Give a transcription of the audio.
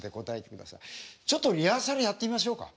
ちょっとリハーサルやってみましょうか。